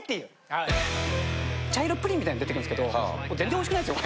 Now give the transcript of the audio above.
茶色いプリンみたいなの出てくるんですけど全然美味しくないんですよ。